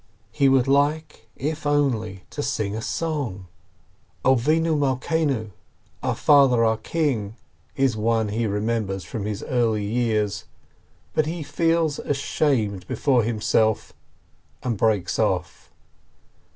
He would like, if only — to sing a song! "Our Pather, our King" is one he remembers from his early years, but he feels ashamed before him self, and breaks off.